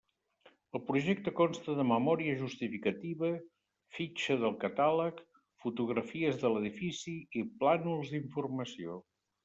El projecte consta de memòria justificativa, fitxa del catàleg, fotografies de l'edifici i plànols d'informació.